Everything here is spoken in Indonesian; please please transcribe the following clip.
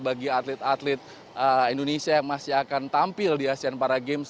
bagi atlet atlet indonesia yang masih akan tampil di asean para games